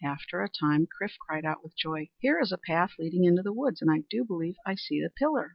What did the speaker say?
After a time Chrif cried out with joy, "Here is a path leading into the woods. And I do believe I see the pillar!"